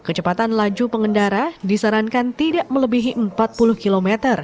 kecepatan laju pengendara disarankan tidak melebihi empat puluh km